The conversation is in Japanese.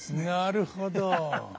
なるほど。